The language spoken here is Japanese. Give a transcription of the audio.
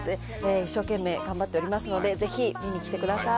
一生懸命頑張っておりますのでぜひ見に来てください。